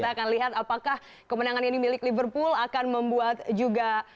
kita akan lihat apakah kemenangan ini milik liverpool akan membuat juga